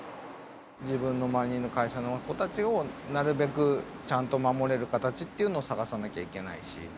自分の周りの会社の子たちを、なるべくちゃんと守れる形というのを探さなきゃいけないし。